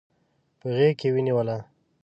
په غیږ کې ونیوله